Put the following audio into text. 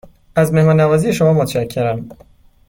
از مهمان نوازی شما متشکرم.